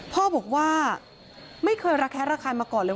พ่อบอกว่าไม่เคยระแคะระคายมาก่อนเลย